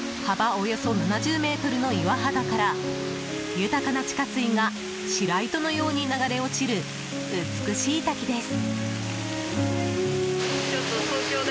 およそ７０ｍの岩肌から豊かな地下水が白糸のように流れ落ちる、美しい滝です。